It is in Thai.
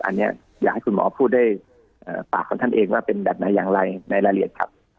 อันนี้อยากให้คุณหมอพูดด้วยปากของท่านเองว่าเป็นแบบไหนอย่างไรในรายละเอียดครับ